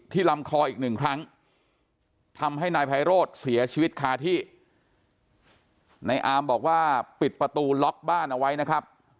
ลำคออีกหนึ่งครั้งทำให้นายไพโรธเสียชีวิตคาที่นายอามบอกว่าปิดประตูล็อกบ้านเอาไว้นะครับ